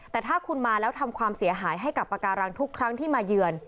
แต่ถ้าคุณมาแล้วทำความเสียหายให้กับปากการังทุกครั้งที่มาเยือน